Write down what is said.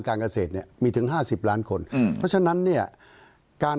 การเกษตรเนี่ยมีถึงห้าสิบล้านคนอืมเพราะฉะนั้นเนี่ยการ